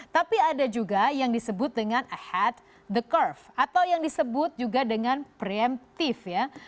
tapi ada juga yang disebut dengan ahead the curve atau yang disebut juga dengan preemptive ya